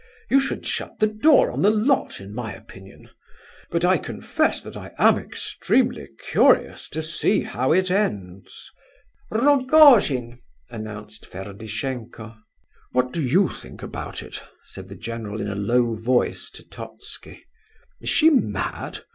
You should shut the door on the lot, in my opinion. But I confess that I am extremely curious to see how it ends." "Rogojin!" announced Ferdishenko. "What do you think about it?" said the general in a low voice to Totski. "Is she mad?